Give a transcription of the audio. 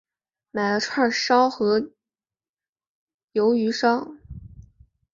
买了串烧和鲷鱼烧